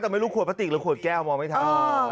แต่ไม่รู้ขวดพลาติกหรือขวดแก้วมองไม่ทัน